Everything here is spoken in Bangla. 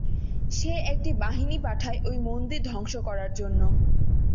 সে একটি বাহিনী পাঠায় ঐ মন্দির ধ্বংস করার জন্য।